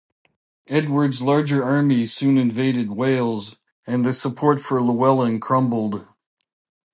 Edward's larger armies soon invaded Wales and the support for Llewellyn crumbled.